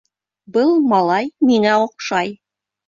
Был малай миңә оҡшай.